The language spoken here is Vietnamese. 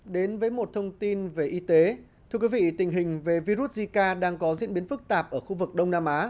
đến với một thông tin về y tế thưa quý vị tình hình về virus zika đang có diễn biến phức tạp ở khu vực đông nam á